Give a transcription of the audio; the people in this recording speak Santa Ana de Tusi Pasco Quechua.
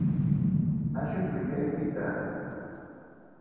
Ashukuy kaypita.